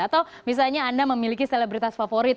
atau misalnya anda memiliki selebritas favorit